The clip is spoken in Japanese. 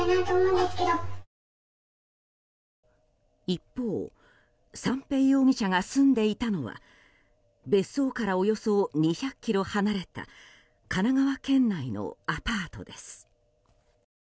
一方三瓶容疑者が住んでいたのは別荘からおよそ２００ｋｍ離れた神奈川県内のアパートです。